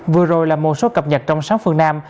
vừa rồi là một số cập nhật trong sáng phương nam